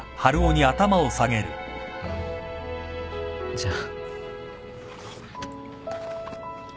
じゃあ。